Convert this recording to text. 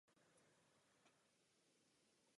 Již brzy po procesu se objevily pochybnosti o jeho průběhu.